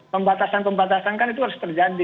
pembatasan pembatasan kan itu harus terjadi